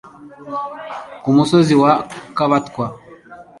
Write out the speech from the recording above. ku musozi wa Kabatwa